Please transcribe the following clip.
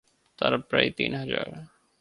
তারা প্রায় তিন হাজার।